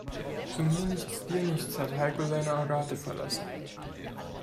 So mir nichts, dir nichts hat Heiko seine Agathe verlassen.